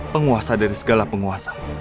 penguasa dari segala penguasa